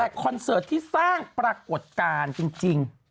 แต่คอนเสิร์ตที่สร้างปรากฏการณ์จริง